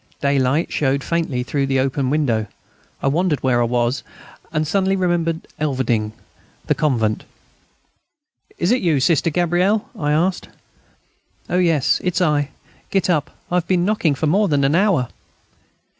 Daylight showed faintly through the only window. I wondered where I was, and suddenly remembered ... Elverdinghe ... the convent.... "Is it you, Sister Gabrielle?" I asked. "Oh, yes, it's I. Get up. I have been knocking for more than an hour."